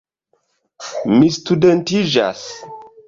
Mi studentiĝas!